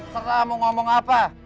terserah mau ngomong apa